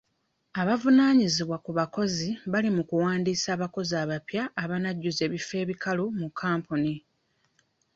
Abavunaanyizibwa ku bakozi bali mu kuwandiisa abakozi abapya abanajjuza ebifo ebikalu mu kampuni.